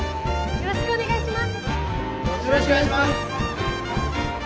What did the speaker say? よろしくお願いします。